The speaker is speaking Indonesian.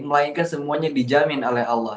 melainkan semuanya dijamin oleh allah